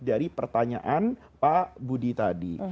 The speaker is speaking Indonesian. dari pertanyaan pak budi tadi